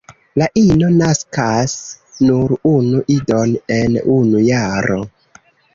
La ino naskas nur unu idon en unu jaro.